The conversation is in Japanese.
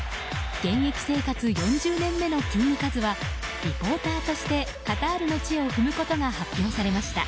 現役生活４０年目のキングカズはリポーターとしてカタールの地を踏むことが発表されました。